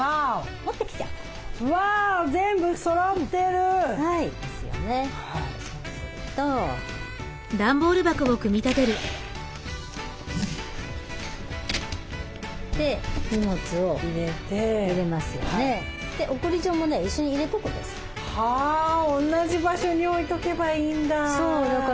おんなじ場所に置いとけばいいんだ。